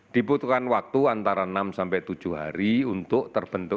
dibutuhkan waktu antara enam sampai tujuh hari untuk terbentuk